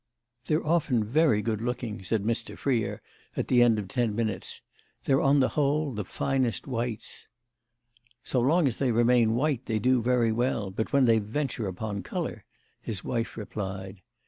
"They're often very good looking," said Mr. Freer at the end of ten minutes. "They're on the whole the finest whites." "So long as they remain white they do very well; but when they venture upon colour!" his wife replied.